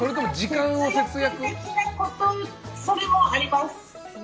それもあります。